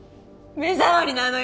目障りなのよ